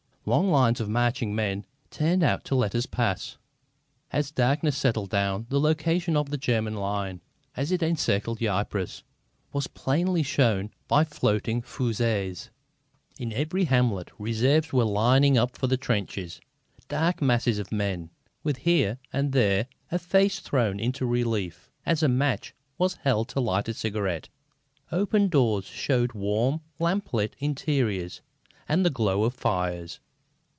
Long lines of marching men turned out to let us pass. As darkness settled down, the location of the German line, as it encircled Ypres, was plainly shown by floating fusées. In every hamlet reserves were lining up for the trenches, dark masses of men, with here and there a face thrown into relief as a match was held to light a cigarette. Open doors showed warm, lamp lit interiors and the glow of fires.